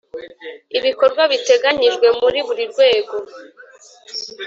ibikorwa biteganyijwe muri buri rwego.